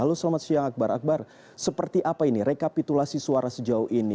halo selamat siang akbar akbar seperti apa ini rekapitulasi suara sejauh ini